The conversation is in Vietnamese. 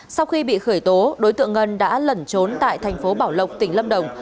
sau khi bị khởi tố đối tượng ngân đã lẩn trốn tại thành phố bảo lộc tỉnh lâm đồng